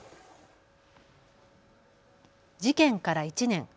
事件から１年。